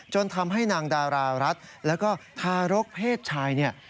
จนทำให้นางดารารัสแล้วก็ทารกเพศชาย